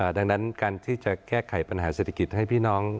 ดังนั้นการที่จะแก้ไขปัญหาเศรษฐกิจให้พี่น้อง